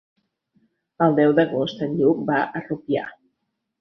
El deu d'agost en Lluc va a Rupià.